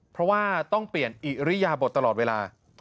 เพราะว่าต้องเปลี่ยนอิริยาบทตลอดเวลา